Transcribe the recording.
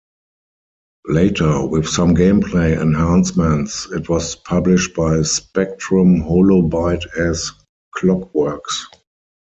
Later, with some game play enhancements, it was published by Spectrum HoloByte as "Clockwerx".